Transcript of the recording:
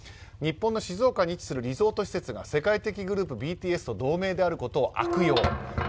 日本の静岡に位置するリゾート施設が世界的グループＢＴＳと同名であることを悪用。